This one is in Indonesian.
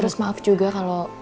gua gak tahu